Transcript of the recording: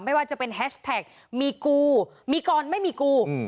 ไม่ว่าจะเป็นแฮชแท็กมีกูมีกรไม่มีกู